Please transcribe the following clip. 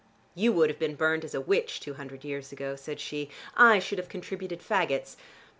"You would have been burned as a witch two hundred years ago," said she. "I should have contributed fagots.